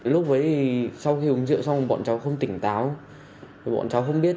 lúc ấy sau khi uống rượu xong bọn cháu không tỉnh táo bọn cháu không biết